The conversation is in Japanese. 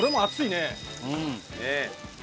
ねえ。